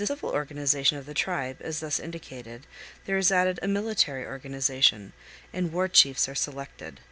To the civil organization of the tribe, as thus indicated, there is added a military organization, and war chiefs are selected.